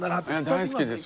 大好きです。